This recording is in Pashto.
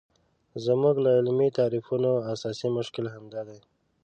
زموږ د علمي تعریفونو اساسي مشکل همدا دی.